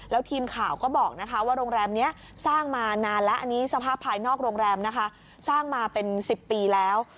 แล้วทีมข่าวก็บอกนะคะว่าโรงแรมนี้สร้างมานานแล้วอันนี้สภาพภายนอกโรงแรมนะคะสร้างมาเป็น๑๐ปีแล้ว